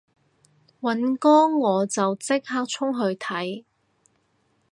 尹光我就即刻衝去睇